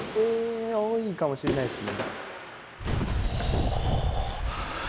多いかもしれないですね。